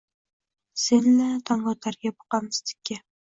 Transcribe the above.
Sen-la tongotarga boqamiz tikka